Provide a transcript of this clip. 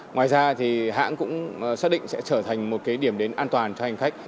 ngoài ra thì hãng cũng xác định sẽ trở thành một cái điểm đến an toàn cho hành khách